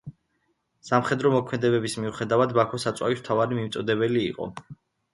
სამხედრო მოქმედებების მიუხედავად, ბაქო საწვავის მთავარი მიმწოდებელი იყო.